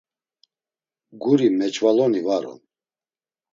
Guri meç̌valoni var on.